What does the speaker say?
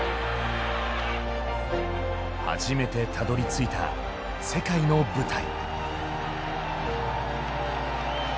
初めてたどり着いた世界の舞台。